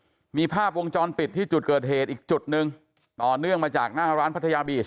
คุณผู้ชมมีภาพวงจรปิดที่จุดเกิดเหตุอีกจุดหนึ่งต่อเนื่องมาจากหน้าร้านพัทยาบีช